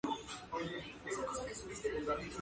Está situado en la parte suroeste de la misma.